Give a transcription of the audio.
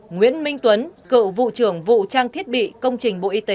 nguyễn minh tuấn cựu vụ trưởng vụ trang thiết bị công trình bộ y tế bị tuyên